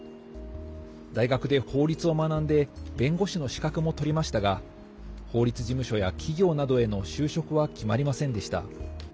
大学で法律を学んで弁護士の資格も取りましたが法律事務所や企業などへの就職は決まりませんでした。